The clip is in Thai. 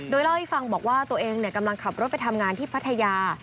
โดยเล่าให้ฟังบอกว่าตัวเองกำลังขับรถไปทำงานที่พัทยา